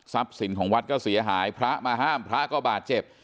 สินของวัดก็เสียหายพระมาห้ามพระก็บาดเจ็บ